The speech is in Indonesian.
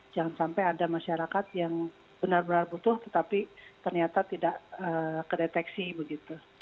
jangan sampai ada masyarakat yang benar benar butuh tetapi ternyata tidak kedeteksi begitu